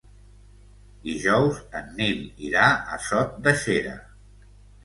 Dijous en Nil irà a Sot de Xera.